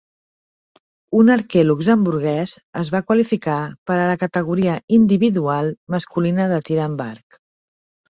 Un arquer luxemburguès es va qualificar per a la categoria individual masculina de tir amb arc.